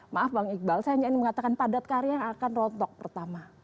maaf bang iqbal saya hanya ingin mengatakan padat karya yang akan rontok pertama